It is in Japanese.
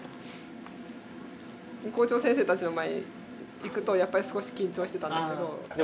校長先生たちの前に行くとやっぱり少し緊張してたんだけど。